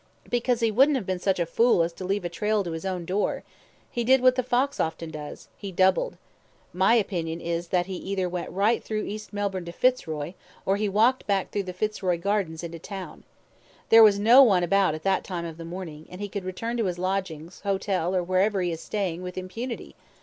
"Because he wouldn't have been such a fool as to leave a trail to his own door; he did what the fox often does he doubled. My opinion is that he went either right through East Melbourne to Fitzroy, or he walked back through the Fitzroy Gardens into town. There was no one about at that time of the morning, and he could return to his lodgings, hotel, or wherever he is staying, with impunity.